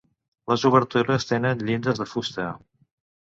Les obertures tenen llindes de fusta.